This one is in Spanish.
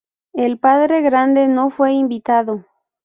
El Padre Grande no fue invitado.